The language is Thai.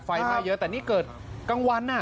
ไฟไหม้เยอะแต่นี่เกิดกลางวัน